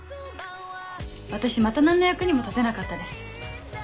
私また何の役にも立てなかったです。